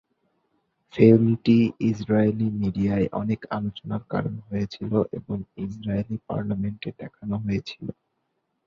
ফিল্মটি Israeli মিডিয়ায় অনেক আলোচনার কারণ হয়েছিল এবং ইসরায়েলি পার্লামেন্টে দেখানো হয়েছিল।